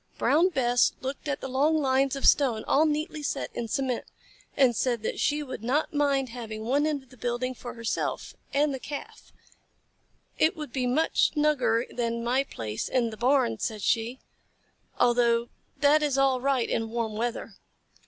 Brown Bess looked at the long lines of stone all neatly set in cement, and said that she would not mind having one end of the building for herself and the Calf. "It would be much snugger than my place in the barn," said she, "although that is all right in warm weather."